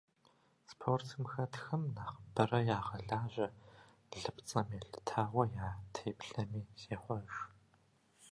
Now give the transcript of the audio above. Спортым хэтхэм нэхъыбэрэ ягъэлажьэ лыпцӏэм елъытауэ я теплъэми зехъуэж.